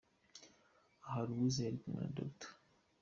Aha Louise yari kumwe na Dr.